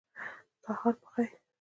سهار په خیر